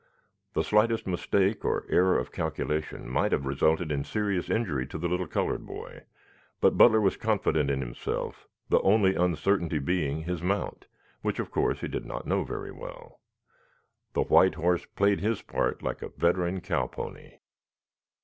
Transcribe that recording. The slightest mistake or error of calculation might have resulted in serious injury to the little colored boy, but Butler was confident of himself, the only uncertainty being his mount, which of course he did not know very well. The white horse played his part like a veteran cow pony.